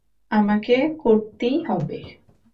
আমাকে করতেই হবে।